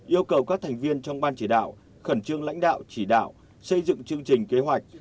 yêu cầu các thành viên trong ban chỉ đạo khẩn trương lãnh đạo chỉ đạo xây dựng chương trình kế hoạch